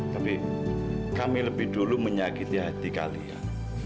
tapi kami lebih dulu menyakiti hati kalian